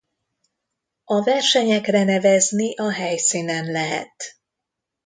A versenyekre nevezni a helyszínen lehet.